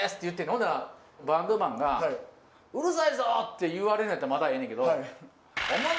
ほんならバンドマンが。って言われんのやったらまだええねんけど。